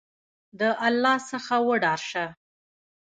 د الله څخه وډار شه !